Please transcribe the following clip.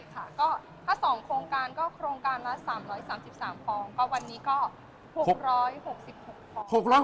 ถ้าสองโครงการก็โครงการละ๓๓๓ฟอง